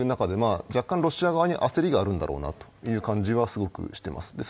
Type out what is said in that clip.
若干ロシア側に焦りがあるんだろうなという感じはすごくしています。